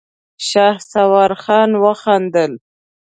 شهسوار خان وخندل.